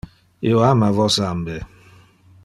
Io ama vos ambe.